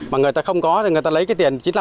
mà người ta không có thì người ta lấy cái tiền